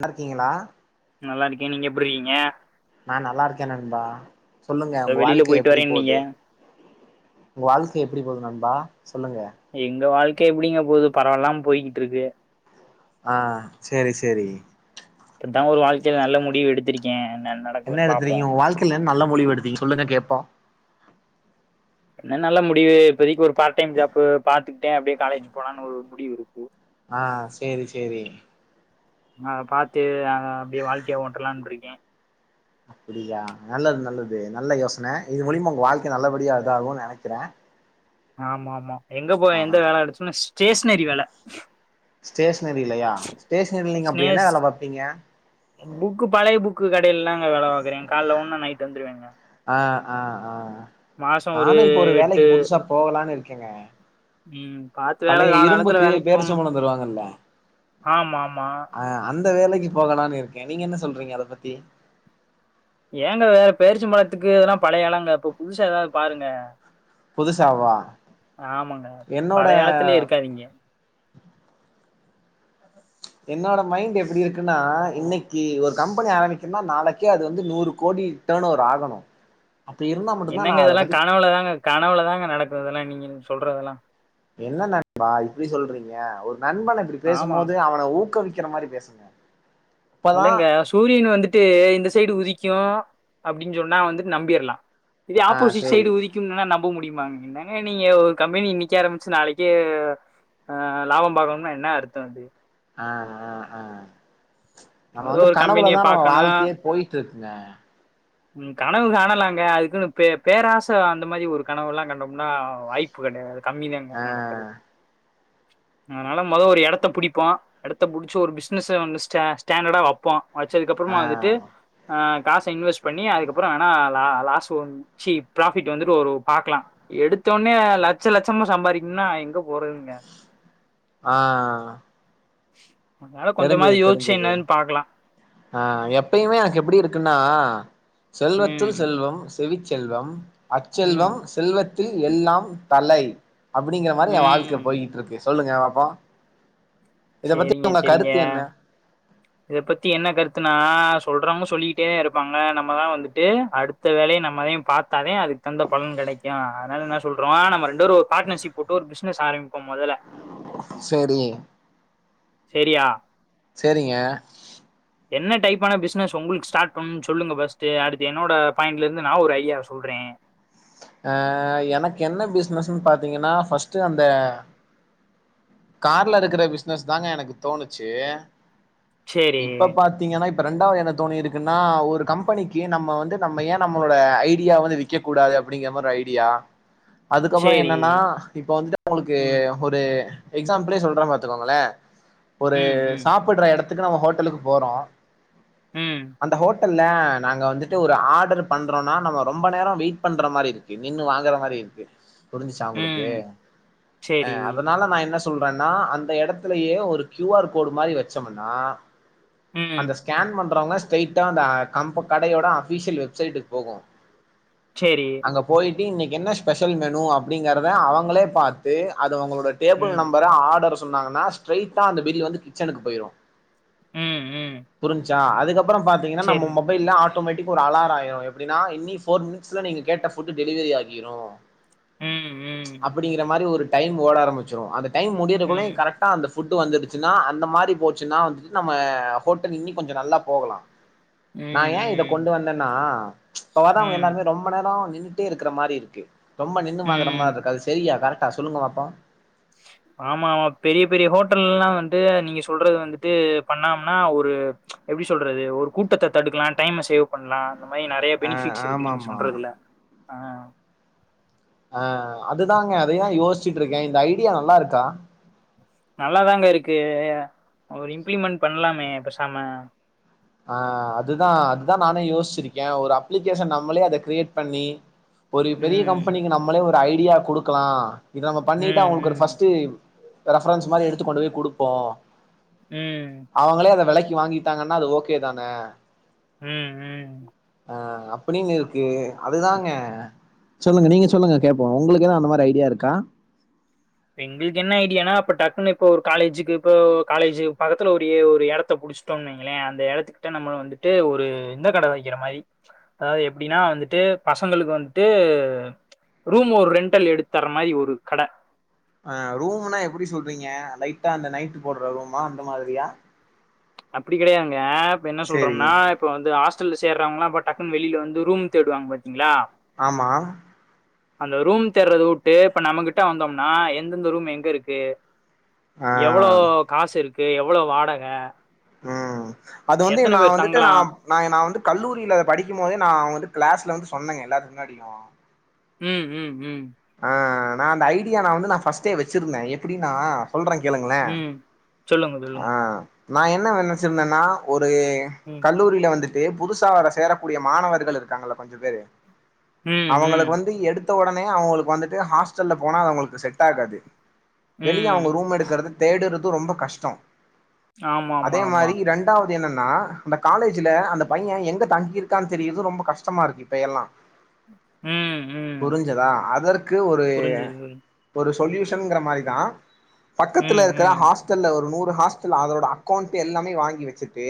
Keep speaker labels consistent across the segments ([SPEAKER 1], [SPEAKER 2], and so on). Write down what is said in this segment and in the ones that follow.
[SPEAKER 1] லா இருக்கீங்களா
[SPEAKER 2] நல்லா இருக்கே நீங்க எப்டி இருகீங்க
[SPEAKER 1] நா நல்லா இருக்கே நண்பா சொல்லுங்க
[SPEAKER 2] இப்ப
[SPEAKER 1] உங்க
[SPEAKER 2] வெளியில
[SPEAKER 1] வாழ்க்க
[SPEAKER 2] போயிட்டு
[SPEAKER 1] எப்டி
[SPEAKER 2] வரேன்னீங்க
[SPEAKER 1] போது உங்க வாழ்க்க எப்டி போது நண்பா சொல்லுங்க
[SPEAKER 2] எங்க வாழ்க்க எப்டிங்க போது பரவால்லாம போய்கிட்டு இருக்கு
[SPEAKER 1] ஆ செரி செரி
[SPEAKER 2] இப்பதா ஒரு வாழ்க்கைல நல்ல முடிவு எடுத்திருக்கே இன்னு என்ன
[SPEAKER 1] என்ன
[SPEAKER 2] நடக்குதுன்னு பாப்போம்
[SPEAKER 1] எடுத்துருக்கீங்க வாழ்க்கைல என்ன நல்ல முழிவு எடுத்தீங்க சொல்லுங்க கேப்போ
[SPEAKER 2] என்ன நல்ல முடிவு இப்போதைக்கி ஒரு பார்ட் டைம் ஜாப்பு பாத்துக்கிட்டே அப்டியே காலேஜ் போலான்னு ஒரு முடிவு இருக்கு
[SPEAKER 1] ஆ செரி செரி
[SPEAKER 2] ஆ பாத்து நாங்க அப்டியே வாழ்க்கைய ஓட்டலானு இருக்கே
[SPEAKER 1] அப்டியா நல்லது நல்லது நல்ல யோசன இது மூலியமா உங்க வாழ்க்க நல்லபடியா இதாகு நினைக்கிறே
[SPEAKER 2] ஆமா ஆமா எங்க போ
[SPEAKER 1] ஆ
[SPEAKER 2] எந்த வேல கெடச்சோனா ஸ்டேஷனரி வேல
[SPEAKER 1] ஸ்டேஷனரிலையா ஸ்டேஷனரில நீங்க அப்படி என்ன
[SPEAKER 2] ஸ்னேஸ்
[SPEAKER 1] வேல பாப்பீங்க
[SPEAKER 2] புக்கு பழைய புக்கு கடைலல்லா வேல பாக்குறே கால்ல போனா நைட் வந்துருவேங்க
[SPEAKER 1] அ அ அ
[SPEAKER 2] மாதம்
[SPEAKER 1] நானு இப்ப ஒரு
[SPEAKER 2] எட்டு
[SPEAKER 1] வேலைக்கி புதுசா போகலானு இருக்கேங்க
[SPEAKER 2] ம் பாத்து வேல காலா காலத்துல வேலைக்கு போங்
[SPEAKER 1] துருவாங்கல்ல
[SPEAKER 2] ஆமா மா
[SPEAKER 1] அ அந்த வேலைக்கி போகலான்னு இருக்கே நீங்க என்ன சொல்றீங்க அத பத்தி
[SPEAKER 2] ஏங்க வேற பேரீச்சம் பழத்துக்கு எதுன்னா பழைய ஏலோங்க இப்ப புதுசா ஏதாது பாருங்க
[SPEAKER 1] புதுசாவா
[SPEAKER 2] ஆமாங்க
[SPEAKER 1] என்னோட
[SPEAKER 2] பழைய காலத்துலயே இருக்காதீங்க
[SPEAKER 1] என்னோட மைண்ட் எப்படி இருக்குன்னா இன்னைக்கி ஒரு கம்பெனி ஆரம்பிக்குனா நாளைக்கே அது வந்து நூறு கோடி தணூர் ஆகணு அப்டி இருந்தா மட்டும்தா நா
[SPEAKER 2] என்னங்க
[SPEAKER 1] அத
[SPEAKER 2] இதெல்லா
[SPEAKER 1] பத்தி
[SPEAKER 2] கனவுல தாங்க கனவுல தாங்க நடக்கு இதெல்லா நீங்க சொல்றதெல்லா
[SPEAKER 1] என்ன நண்பா இப்படி சொல்றீங்க ஒரு நண்பன இப்படி
[SPEAKER 2] ஆமா
[SPEAKER 1] பேசும்போது அவன ஊக்கவிக்கிற மாரி பேசுங் அ
[SPEAKER 2] இல்லங்க சூரியன் வந்துட்டு இந்த சைடு உதிக்கும் அப்டின் சொன்னா வந்துட்டு நம்பியிரலா இதே
[SPEAKER 1] ஆ
[SPEAKER 2] ஆப்போசிட் சைடு
[SPEAKER 1] சேரி
[SPEAKER 2] உதிக் க்கும்னா நம்ப முடியுமா என்னங்க நீங்க ஒரு கம்பெனி இன்னைக்கி ஆரம்பிச்சு நாளைக்கே அ லாபோ பாக்கணுனா என்ன அர்த்தோ அது
[SPEAKER 1] அ அ அ நம்ம
[SPEAKER 2] மொத
[SPEAKER 1] வந்து
[SPEAKER 2] ஒரு கம்பெனிய
[SPEAKER 1] கனவுலதா நம்ம
[SPEAKER 2] பாக்கணு
[SPEAKER 1] வாழ்க்கையே போயிட்டு இருக்குங்க
[SPEAKER 2] ம் கனவு காணலாங்க அதுக்குன்னு பே பேராச அந்த மாதி ஒரு கனவு எல்லா கண்டோம்னா வாய்ப் பு கெடையாது கம்மி தாங்க
[SPEAKER 1] ஆ
[SPEAKER 2] நடக்குறது அதனால மொத ஒரு எடத்த பிடிப்போ எடத்த புடிச்சு ஒரு பிசுனச ஸ்ட ஸ்டண்டர்டா வைப்போ
[SPEAKER 1] ஆ
[SPEAKER 2] வச்சதுக்கப்புறமா வந்துட்டு அ காச இன்வெஸ்ட் பண்ணி அதுக்கப்புற வேணா லா லாஸ் ஒன் ஜி ப்ராபிட் வந்துட்டு ஒரு பாக்லா எடுத்தோன்னே லட்ச லட்சமா சம்பாறிக்குன்னா எங்க போறதுங்க
[SPEAKER 1] ஆ
[SPEAKER 2] அதனால கொஞ்சமாது யோஸ்ச்சி என்னனு பாக்லா
[SPEAKER 1] அ எப்பயுமே எனக்கு எப்படி இருக்குன்னா செல்வத்துள்
[SPEAKER 2] ம்
[SPEAKER 1] செல்வம் செவிச்செல்வம்
[SPEAKER 2] ம்
[SPEAKER 1] அச்செல்வம் செல்வத்தில் எல்லாம் தலை அப்படிங்கிற மாறி என் வாழ்க்க
[SPEAKER 2] ம்
[SPEAKER 1] போயிட்டு இருக்கு சொல்லுங்க பாப்போம்
[SPEAKER 2] சேரிங்க சரிங்க இத பத்தி என்ன கருத்துன்னா சொல்றவங்க சொல்லிக்கிட்டே இருப்பாங்க நம்மதான் வந்துட்டு அடுத் த வேலய நம்ம தான் பாத்தா தான் அதுக்கு தகுந்த பலன் கெடைக்கும் அதனால என்ன சொல்றோம் நம்ம ரெண்டு டோரு ஒரு பாட்னர்ஷிப் போட்டு ஒரு பிஸ்னஸ் ஆரம்பிப்போம் மொதல
[SPEAKER 1] சேரி
[SPEAKER 2] செரியா
[SPEAKER 1] சேரிங்க
[SPEAKER 2] என்ன டைப்பான பிஸ்னஸ் ஒங்களுக்கு ஸ்டார்ட் பண்ணும்னு சொல்லுங்க ஃபர்ஸ்ட்டு அடுத்து என்னோட பாயிண்ட்ல இருந்து நா ஒரு ஐடியா சொல்றேன்
[SPEAKER 1] அ எனக்கு என்ன பிஸ்னஸ்ன் பாத்தீங்கன்னா ஃபர்ஸ்ட்டு அந்த கார்ல இருக்குற பிஸ்னஸ் தாங்க எனக்கு தோணுச்சு
[SPEAKER 2] சேரி
[SPEAKER 1] இப்ப பாத் தீங்கன்னா இப்ப ரெரண்டாவது என்ன தோனி இருக்குன்னா ஒரு கம்பெனிக்கு நம்ம வந்து நம்ம ஏன் நம்மளோட ஐடியாவ வந்து விக்கக்கூடாது அ ப்படிங்க மார் ஒரு ஐடியா அதுக்கப்புறம்
[SPEAKER 2] சேரி
[SPEAKER 1] என்னன்னா இப்ப வந்துட்டு ஒங்களுக்கு
[SPEAKER 2] ம்
[SPEAKER 1] ஒரு எக்ஸாம்பிளே சொல்றன் பாத்துக்கோங்களே ஒரு
[SPEAKER 2] ம் ம்
[SPEAKER 1] சாப்பட்ற எடத் துக்கு நம்ம ஹோட்டலுக்கு போறோம்
[SPEAKER 2] ம்
[SPEAKER 1] அந்த ஹோ ட்டல்ல நாங்க வந்துட்டு ஒரு ஆர்டர் பண்றோம்னா நம்ம ரொம்ப நேரம் வெயிட் ட் பண்ற மாறிருக்கு நின்னு வாங்கற மாறி இருக்கு புரிஞ்சுச்சா ஒங்களுக்கு
[SPEAKER 2] ம்
[SPEAKER 1] அ
[SPEAKER 2] சேரி
[SPEAKER 1] அதனால நா என்ன சொல்றன்னா அந்த எடத்துலயே ஒரு கியூ ஆர் கோடு மாறி வச்சம்ன்னா
[SPEAKER 2] ம்
[SPEAKER 1] அந்த ஸ்கேன் பண்றவங்க ஸ்டேய்ட்டா அந்த கம்ப கடையோட அபிசியல் வெப்சைட்டுக்கு போகும்
[SPEAKER 2] சேரி
[SPEAKER 1] அங்க போயிட்டு இன்னைக்கு என்ன ஸ்பெஷல் மெனு அப்டிங்கறத அவங்களே பாத்து அது அவுங்ளோட டேபிள்
[SPEAKER 2] ம்
[SPEAKER 1] நம்பரு ஆர்டரு சொன்னாங்கன்னா ஸ்ட்ரைட்டா அந்த பில்லு வந்து கிச்சனுக்கு போயிரு
[SPEAKER 2] ம் ம்
[SPEAKER 1] புரிஞ்சா அதுக்கப்றோ பாத்தீங்கனா நம்ம மொ
[SPEAKER 2] சேரி
[SPEAKER 1] மொபைல்ல ஆட்டோமேட்டிக்கா ஒரு அலாரோ ஆயிரு எப்டின்னா இன்னி ஃபோர் மினிட்ஸ்ல நீங்க கேட்ட ஃபுட்டு டெலிவரி ஆகிரு
[SPEAKER 2] ம் ம்
[SPEAKER 1] அப்டிங்கிற மாரி ஒரு டைம் ஓட ஆரம்மிச்சிரு அந்த டைம் முடியறதுகுள்ள
[SPEAKER 2] ம்
[SPEAKER 1] கரெக்ட்டா அந்த ஃபுட்டு் வந்துருச்சுன்னா அந்த மாரி போச்சுன்னா வந்துட்டு நம்ம ஹோட்டல் இன்னி கொஞ்ச நல்லா போகலா நா
[SPEAKER 2] ம்
[SPEAKER 1] ஏன் இத
[SPEAKER 2] ம்
[SPEAKER 1] கொண்டு வந்தன்னா இப்ப வரவங்க
[SPEAKER 2] ம்
[SPEAKER 1] எல்லாருமே ரொம் மப நேரோ நின்னுட்டே இருக்கற மாரி இருக்கு ரொம்ப நின்னு வாங்குற
[SPEAKER 2] ம்
[SPEAKER 1] மாரி இருக்கு அது செரியா கரெக்டா சொல்லுங்க பாப்போ
[SPEAKER 2] ஆமா ஆமா பெரிய பெரிய ஹோட்டல் எல்லா வந்து நீங்க சொல்றது வந்துட்டு பண்ணாம்னா ஒரு எப்டி சொல்றது ஒரு கூட்டத்த தடுக்கலா டைம சேவ் பண்லா அந்த மாரி நறைய
[SPEAKER 1] ஆ
[SPEAKER 2] பெனிஃபிட்ஸ் இருக்கு நீங்க
[SPEAKER 1] ஆமாமா
[SPEAKER 2] சொல்றதுல அ
[SPEAKER 1] அ அதுதாங்க அதையா யோசிட்டு இருக்க இந்த ஐடியா நல்லா இருக்கா
[SPEAKER 2] நல்லாதாங்க இருக்கு ஒரு இம்ப்ளிமெண்ட் பண்லாமே பேசாம
[SPEAKER 1] அ அதுதா அதுதா நானே யோசிச்சிருக்கே ஒரு அப்ளிகேஷன் நம்மளே அத கிரியேட் பண்ணி ஒரு பெரிய
[SPEAKER 2] ம்
[SPEAKER 1] கம்பெனிக்கு நம்மளே ஒரு ஐடியா குடுக்கலா இத நம்ம பண்ணிட்டு
[SPEAKER 2] ம்
[SPEAKER 1] அவங்களுக்கு ஒரு
[SPEAKER 2] ம்
[SPEAKER 1] ஃபர்ஸ்ட்டு ரெஃப்ரன்ஸ் மாரி எடுத்துக்கொண்டு போய் குடுப்போ
[SPEAKER 2] ம்
[SPEAKER 1] அவங்களே அத வெலைக்கி வாங்கிட்டாங்கன்னா அது ஓகே தான
[SPEAKER 2] ம் ம்
[SPEAKER 1] அ அப்டின்னு இருக்கு அதுதாங்க சொல்லுங்க நீங்க சொல்லுங்க கேப்போ உங்களுக்கு ஏதா அந்த மாரி ஐடியா இருக்கா
[SPEAKER 2] எங்களுக்கு என்ன ஐடியான்னா அப்ப டக்குன்னு இப்ப ஒரு காலேஜுக்கு இப்போ காலேஜ் பக்கத்துல ஒரு ஒரு இடத்த புடி ச்சடோன் வைங்ளே அந்த இடத்துக்கிட்ட நம்ம வந்துட்டு ஒரு இந்த கட வைக்கிற மாரி அதாவது எப்டினா வந்துட்டு பசங்களுக்கு வந்துட்டு ரூம் ஒரு ரெண்டல் எடுத்துத்தர மாரி ஒரு கட
[SPEAKER 1] ஆ ரூம்னா எப்டி சொல்றீங்க லைட்டா அந்த நைட் போடுற ரூமா அந்த மாரியா
[SPEAKER 2] அப்டி கெடையாதுங்க இப்ப என்ன
[SPEAKER 1] சேரி
[SPEAKER 2] சொல்றோம்னா இப்ப வந்து ஆஸ்டல்ல சேர்றவங்ளா பட் டக்குனு வெளில வந்து ரூம் தேடுவாங்க பாத்தீங்ளா
[SPEAKER 1] ஆமா
[SPEAKER 2] அந்த ரூம் தேர்றது உட்டு இப்ப நம்மகிட்ட வந்தோம்னா எந்தெந்த ரூம் எங்க இருக்கு
[SPEAKER 1] ஆ
[SPEAKER 2] எவ்ளோ காசு இருக்கு எவ்ளோ வாடக
[SPEAKER 1] ம் அது வந்து நா வந்துட்டு நா
[SPEAKER 2] தங்கலாம்
[SPEAKER 1] நா நா வந்து கல்லூரில படிக்கும் போதே நா வந்து கிளாஸ்ல வந்து சொன்னேங்க எல்லாரு முன்னாடியு
[SPEAKER 2] ம் ம் ம்
[SPEAKER 1] ஆ நா அந்த ஐடியா நா வந்து நா ஃபர்ஸ்ட்டே வச்சிருந்த எப்டினா சொல்ற கேளுங்ளே
[SPEAKER 2] ம் சொல்லுங்க
[SPEAKER 1] ஆ
[SPEAKER 2] சொல்லுங்க
[SPEAKER 1] நா என்ன வேல நெனச்சிருந்தனா ஒரு
[SPEAKER 2] ம்
[SPEAKER 1] கல்லூரில வந்துட் டு புதுசா வர சேரக்கூடிய மாணவர்கள் இருக்காங்கள கொஞ்ச பேரு
[SPEAKER 2] ம் ம்
[SPEAKER 1] அவுங்களுக்கு வந்து எடுத் த உடனே அவுங்களுக்கு வந்துட்டு ஹாஸ்டல்ல போனா அவங்களுக்கு செட் ஆகாது வெளிய
[SPEAKER 2] ம்
[SPEAKER 1] அவங்க ரூம் எடுக்குறது தேடுறது ரொம்ப கஷ்டோ
[SPEAKER 2] ஆமா ஆமா
[SPEAKER 1] அதே
[SPEAKER 2] ஆமா
[SPEAKER 1] மாரி ரெண் ரெண்டாவது என்னென்னா அந்த காலேஜ்ல அந்த பையன் எங்க தங்கியிருக்கான் தெரிறது ரொம்ப கஷ்டமா இருக்கு இப்பையெல்லா
[SPEAKER 2] ம் ம்
[SPEAKER 1] புரிஞ்சதா அதற்கு ஒரு
[SPEAKER 2] புரிஞ்சுது புரிஞ்சு
[SPEAKER 1] ஒரு சொல்யூஷன்ங்கிற மாரி தா பக்கத்துல
[SPEAKER 2] ம்
[SPEAKER 1] இருக்கிற
[SPEAKER 2] ம்
[SPEAKER 1] ஹாஸ் ஹாஸ்டல்ல ஒரு நூறு ஹாஸ்டல் அதோட அக்கௌண்ட் எல்லாமே வாங்கி வச்சுட்டு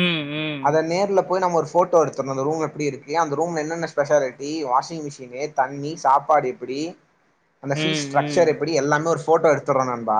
[SPEAKER 2] ம் ம்
[SPEAKER 1] அத நேர்லப் போய் நம்ம ஒரு போட்டோ எடுத்துர்னு அந்த ரூம் எப்டி இருக்கு அந்த ரூம்ல என்னென்ன ஸ்பெஷாலிட்டி வாஷிங்மிஷின் இதுலயே தண்ணி சாப் சாப்பாடு எப்பிடி அந்த பீஸ்
[SPEAKER 2] ம்
[SPEAKER 1] ஸ்ட்ரக்சர்
[SPEAKER 2] ம்
[SPEAKER 1] எப்பிடி எல்லாமே ஒரு போட்டோ எடுத்தர்லா நண்பா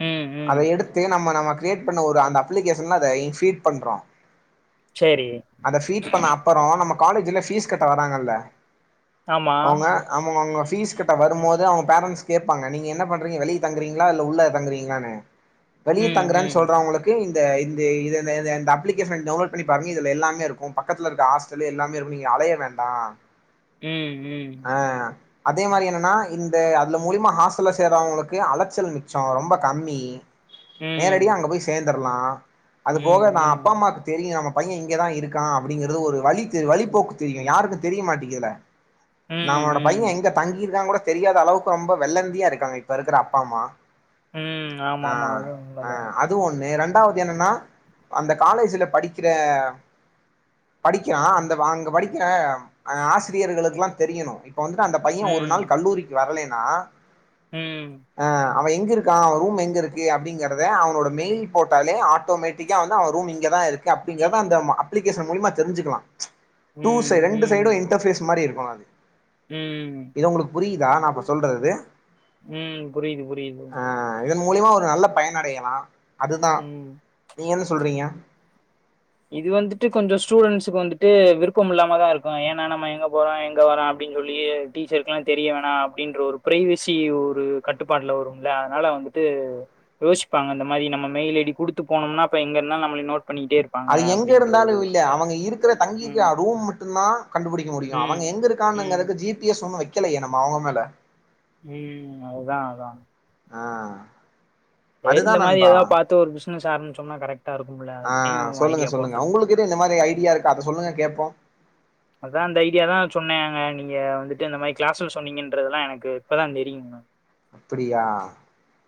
[SPEAKER 2] ம்
[SPEAKER 1] அத
[SPEAKER 2] ம்
[SPEAKER 1] எடுத்து நம்ம நமக் ப்ளேட் பண்ண ஒரு அந்த அப்ளிகேஷன்ல அத ஃபீட் பண்றோ
[SPEAKER 2] சரி
[SPEAKER 1] அந்த ஃபீட் பண்ண அப் பறோ நம்ம காலேஜில பீஸ் கட்ட வராங்கல
[SPEAKER 2] ஆமா
[SPEAKER 1] அவுங்க ஆமா அவுங்க பீஸ் கட்ட வரும்போது அவுங்க பேரட்ஸ் கேப்பாங்க நீங்க என்ன பண்றீங்க வெளிய தங்குறீங்ளா இல்ல உள்ள தங்குறீங்ளானு
[SPEAKER 2] ம்,
[SPEAKER 1] வெளிய தங்றேனு
[SPEAKER 2] ம்,
[SPEAKER 1] சொல்றவங்களுக் இப்பையே இந்த இந்து இத த த இந்த அப்ளிகேஷன டவுன்லோடு பண்ணி பாருங்க இது எல்லாமே இருக்கு பக்கத்துல இருக்க ஆஸ் இதுலியே எல்லாமே இருக்கு நீங்க அலைய வேண்டா
[SPEAKER 2] ம் ம்
[SPEAKER 1] அ அதே மாரி என்னன்னா இந்த அதுல மூலியமா ஹாஸ்டல்ல சேரவங்களுக்கு அலைச்சல் மிச்ச ரொம்ப கம்மி நேரடியா
[SPEAKER 2] ம்,
[SPEAKER 1] அங்க போய் சேர்நதற்லா
[SPEAKER 2] ம்,
[SPEAKER 1] அது போக நா அப்பா
[SPEAKER 2] ம்,
[SPEAKER 1] அம்மாக்கு தெரியு நம்ம பைய இங்கதா இருக்கா அப்பிடிங்கறது ஒரு வழி தெ வழிபோக்கு தெரியு யாருக்கு தெரிய மாட்டேங்கிதுல
[SPEAKER 2] ம்,
[SPEAKER 1] நம்மளோட பைய
[SPEAKER 2] ம்,
[SPEAKER 1] எங்க தங்கியிருக்கா கூட தெரியாத அளவுக்கு ரொம்ப வெள்ளந்தியா இருக்காங்க இப்ப இருக்குற அப்பா அம்மா
[SPEAKER 2] ம்.
[SPEAKER 1] ஆ
[SPEAKER 2] ஆமாமா. அது
[SPEAKER 1] ஆ
[SPEAKER 2] உண்மதான்.
[SPEAKER 1] அத் இதுவு ஒண்ணு ரெண்டாவது என்னென்னா அந்த காலேஜ்ல படிக்கிற படிக்கிறா அந்த அங்க படிக்கிறா அ ஆசிரியர்களுக்ல்லா தெரியுணு இப்பே வந்துட்டு அந்த பைய ஒரு
[SPEAKER 2] ம்,
[SPEAKER 1] நாள் கல்லூரிக்கு வர்லைனா
[SPEAKER 2] ம்
[SPEAKER 1] அ அவ எங்க இருக்கா அவ ரூம் எங்க இருக்கு அப்பிடிங்கறத அவனோட மெயில் போட்டாலே ஆட்டோமேட்டிக்கா வந்து அவ ரூம் இங்கதா இருக்கு அப்பிடிங்கறத அந்த அப்ளிகேஷன் மூலியமா தெரிஞ்சிக்கலா டூ சைடு
[SPEAKER 2] ம்,
[SPEAKER 1] ரெண்டு சைடு
[SPEAKER 2] ம்,
[SPEAKER 1] இன்டர்பேஸ் மாரி இருக்கு ன்ன அது
[SPEAKER 2] ம்
[SPEAKER 1] இது உங்களுக்கு புரியுதா நா இப்ப சொல்றது
[SPEAKER 2] ம். புரியுது, புரியுது.
[SPEAKER 1] அ இதன் மூலியமா ஒரு நல்ல பயன் அடையலா
[SPEAKER 2] ம்
[SPEAKER 1] [inaudible]
[SPEAKER 2] இது வந்துட்டு கொஞ்சோ ஸ்டூடெண்ட்ஸ்க்கு வந்துட்டு விருப்போம் இல்லாமதா இருக்கு ஏன்னா நம்ம எங்க போறோ எங்க வர்றோ அப் அப்டினு சொல்லியே டீச்சருக்ல்லா தெரிய வேணா அப்டின்ற ஒரு பிரைவசி ஒரு கட்டுப்பாட்ல வருல அதனால வந்து இது யோசிப்பாங்க இந்த மாரி நம்ம மெயில் ஐடி குடுத்து போனம்ன அப்பறோஎங்க இருந்த நம்ம நோட் பண்ணிட்டே இரு
[SPEAKER 1] அது எங்க இருந்தாலு இல்ல அவுங்க இருக்குற
[SPEAKER 2] ம்.
[SPEAKER 1] தங்கிருக்கிற ரூம் மட்டுதா கண்டுபுடிக்க முடியு அவங்க
[SPEAKER 2] ம்
[SPEAKER 1] எங்க
[SPEAKER 2] ம்
[SPEAKER 1] இருக்கான்னுங்ரதுக்கு ஜி பி எஸ் ஒன்னு வைக்கலையே நம்ம அவுங்க மேல
[SPEAKER 2] ம் அதுதா அதா
[SPEAKER 1] ஆ
[SPEAKER 2] சேரி
[SPEAKER 1] அதுதா
[SPEAKER 2] இந்த மாரி
[SPEAKER 1] நண்பா
[SPEAKER 2] ஏதாது பாத்து ஒரு பிசினஸ் ஆரம்பிச்சம்ன்னோ கரெக்டா இருக்குமுல்ல அதுக்குதா ஓ ஐடியா போட்டது
[SPEAKER 1] இன்னு இந்த மாதிரி ஐடியா இருக்க அத சொல்லுங்க கேப்போ
[SPEAKER 2] அதா இந்த ஐடியா தா சொன்னாங்க நீங்க வந்துட்டு இந்த மாதிரி கிளாஸ்ல சொன்னீங்கன்றதல்லா எனக்கு இப்பதா தெரியு
[SPEAKER 1] [inaudible] அப்டியா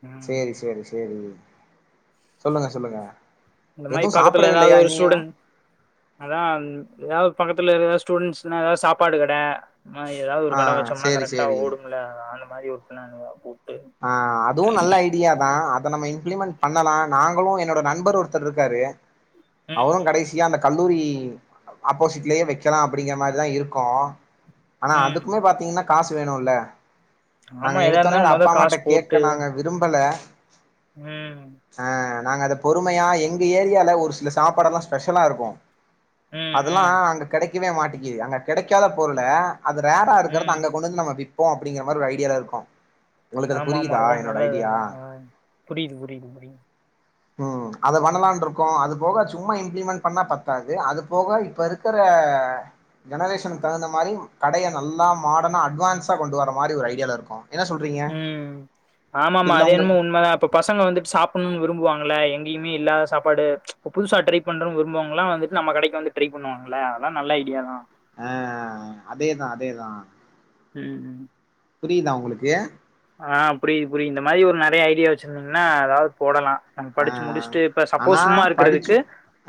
[SPEAKER 2] ம்
[SPEAKER 1] சேரி சேரி சேரி சொல்லுங்க சொல்லுங்க
[SPEAKER 2] இந்த மாரி
[SPEAKER 1] எதுவு
[SPEAKER 2] பக்கத்துல ஏதாவது
[SPEAKER 1] சாப்பிடவில்லையா
[SPEAKER 2] ஒரு
[SPEAKER 1] இன்னியு
[SPEAKER 2] ஸ்டூடண் அதா ஏதாவ்து பக்கத்துல இருக்கற ஸ்டூடெண்ட்ஸ்னா ஏதாவ்து சாப்பாடு கட ஆ ஏதாவது ஒரு
[SPEAKER 1] ஆ
[SPEAKER 2] கடை வச்சோம்னா
[SPEAKER 1] சேரி
[SPEAKER 2] கரெக்டா
[SPEAKER 1] சேரி
[SPEAKER 2] ஓடும்ல அந்த மாரி ஒரு பின்ன
[SPEAKER 1] அ அதுவும் நல்ல ஐ டியாதான் அதை நம்ம இம்ப்ளிமெண்ட்
[SPEAKER 2] ம்
[SPEAKER 1] பண்ணலாம் நாங்களும் என்னோட நண்பர் ஒருத்தர் இருக்காரு அவரும் கடைசியா அந்த கல் லூரி ஆப்போசிட்லயே வைக்கலாம் அப்டிங்கிற மாரிதான் இருக்கோம் ஆனா
[SPEAKER 2] ம் ம்
[SPEAKER 1] அதுக்குமே பாத்தீங்கன்னா காசு வேணும்ல்ல
[SPEAKER 2] ஆமா எதா இருந்தாலும் மொத காசு போட்டு
[SPEAKER 1] நாங்க விரும்பல
[SPEAKER 2] ம்
[SPEAKER 1] அ நாங்க அத பொறுமையா எங்க ஏரியால ஒரு சில சாப்பாடல்லாம் ஸ்பெஷலா இருக்கும்
[SPEAKER 2] ம்
[SPEAKER 1] அதெல்லாம்
[SPEAKER 2] ம்
[SPEAKER 1] அங்க கெடைக்கவே மாட்டிக்குது அங்க கெடைக்காத பொருள அது ரேரா இருக்கிறது
[SPEAKER 2] ம்
[SPEAKER 1] அங்க கொண்டு வந்து நம விப்போ அப்டிங்கற மாரி ஒரு ஐடியால இருக்கோம்
[SPEAKER 2] ஆமா ஆமா அதான் நல்லதுதானே புரியுது புரியுது புரியுது
[SPEAKER 1] ம் அது பண்ணலானு இருக்கோம் அது போக சும்மா இம்ப்ளிமெண்ட் பண்ணா பத்தாது அது போக இப்ப இரு க்கிற ஜெனரேஷன் தகுந்த மாதிரி கடைய நல்லா மாடனா அட்வான்ஸா கொண்டு வர்ற மாதிரி ஒரு ஐடியால இருக்கோம் என்ன சொல்லி
[SPEAKER 2] ம் ஆமாமா அது என்னமோ உண்மதான் ப்ரோ பசங்க வந்துட்டு சாப்டனும்னு விரும்புவாங்கள்ள எங்கயுமே இல்லாத சாப்பாடு புதுசா ட்ரை பண்ற விரும்புறவங்களாம் வந்துட்டு நம்ம கடைக்கு வந்து ட்ரை பண்ணுவாங்கல்ல அதல்லாம் நல்ல ஐடியா தான்
[SPEAKER 1] அ அதேதான் அதேதான்
[SPEAKER 2] ம் ம்
[SPEAKER 1] புரியுதா உங்களுக்கு
[SPEAKER 2] அ புரியுது புரியுது இந்த மாதிரி ஒரு நெறைய ஐடியா வச்சுருந்தீங்கன்னா ஏதாவது போடலாம் நம்ம
[SPEAKER 1] ஆ
[SPEAKER 2] படிச்சு முடிச்சுட்டு இப்ப
[SPEAKER 1] ஆனா
[SPEAKER 2] சப்போஸ் சும்மா
[SPEAKER 1] படிச்சு
[SPEAKER 2] இருக்கிறதுக்கு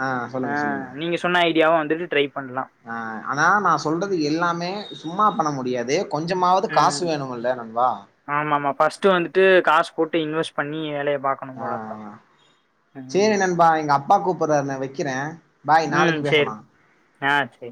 [SPEAKER 1] ஆ சொல்லுங்க
[SPEAKER 2] அ
[SPEAKER 1] சொல்லுங்க
[SPEAKER 2] நீங்க சொன்ன ஐடியாவும் வந்துட்டு ட்ரை பண்ணலாம்
[SPEAKER 1] அ ஆனா நான் சொல்றது எல்லாமே சும்மா பண்ண முடியாது கொஞ்சமாவது காசு வேணுமில்லா நண்பா
[SPEAKER 2] ஆமா ஆமா ஃப்ஸ்ட்டு வந்துட்டு காசு போட்டு இன்வெஸ்ட் பண்ணி வேலைய பாக்
[SPEAKER 1] ஆ சேரி நண்பா எங்க அப்பா கூப்பறாரு நா வெக்கிறேன்
[SPEAKER 2] ம் செரி அ செரி